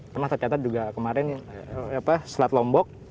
pernah tercatat juga kemarin selat lombok